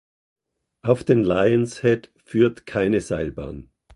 Auf den Lion’s Head führt keine Seilbahn.